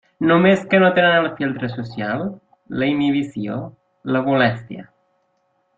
Només, que no tenen el filtre social, la inhibició, la molèstia.